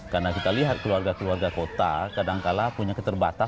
karena kita lihat keluarga keluarga kota kadangkala punya keterbatasan